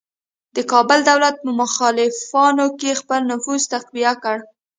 د کابل دولت په مخالفانو کې خپل نفوذ تقویه کړ.